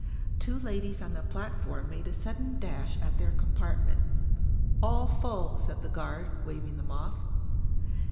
Two ladies on the platform made a sudden dash at their compartment. "All full," said the guard, waving them off.